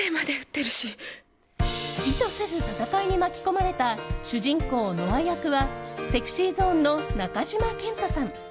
意図せず戦いに巻き込まれた主人公ノア役はＳｅｘｙＺｏｎｅの中島健人さん。